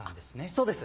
そうです。